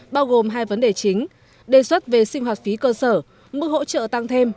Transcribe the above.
bao gồm hai vấn đề chính đề xuất về sinh hoạt phí cơ sở mức hỗ trợ tăng thêm